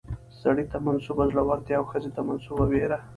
سړي ته منسوبه زړورتيا او ښځې ته منسوبه ويره